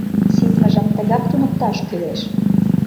Ситмыжым тыгак туныкташ кӱлеш.